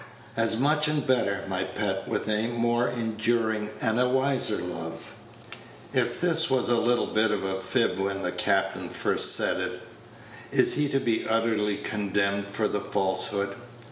"As much and better, my pet; with a more enduring and a wiser love." If this was a little bit of a fib when the captain first said it, is he to be utterly condemned for the falsehood?